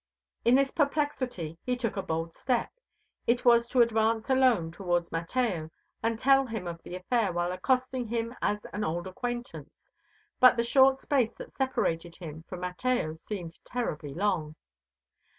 In this perplexity he took a bold step. It was to advance alone towards Mateo and tell him of the affair while accosting him as an old acquaintance, but the short space that separated him from Mateo seemed terribly long.